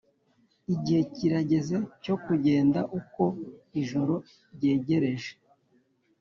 igihe kirageze cyo kugenda uko ijoro ryegereje.